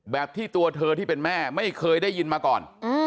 แบบที่ตัวเธอที่เป็นแม่ไม่เคยได้ยินมาก่อน